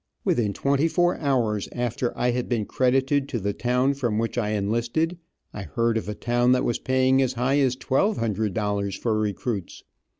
Within twenty four hours after I had been credited to the town from which I enlisted, I heard of a town that was paying as high as twelve hundred dollars for recruits.